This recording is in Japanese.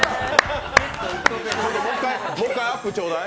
もう１回アップちょうだい。